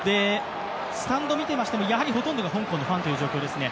スタンドを見ていましてもやはりほとんどが香港のファンという状況ですね。